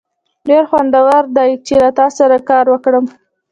ډیر خوندور دی چې له تاسو سره کار وکړم.